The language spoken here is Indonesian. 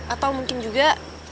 atau mungkin juga